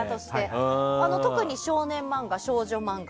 特に少年漫画、少女漫画